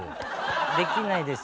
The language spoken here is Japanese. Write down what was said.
できないです。